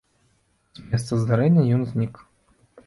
З месца здарэння ён знік.